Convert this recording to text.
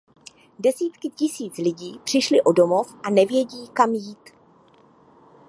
Desítky tisíc lidí přišly o domov a nevědí, kam jít.